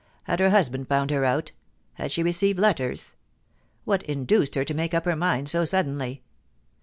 * Had her husband found her out ? Had she received letters ? What induced her to make up her mind so sud denly